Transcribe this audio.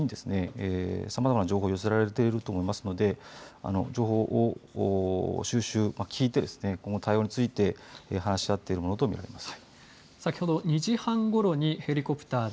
これまでおそらく警察庁を中心にさまざまな情報寄せられていると思いますので情報を聞いて今後の対応について話し合っているものと見られます。